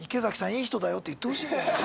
いい人だよ」って言ってほしい。